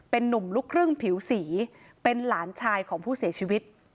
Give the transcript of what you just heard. เป็นนุ่มลูกครึ่งผิวสีเป็นหลานชายของผู้เสียชีวิต